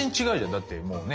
だってもうね。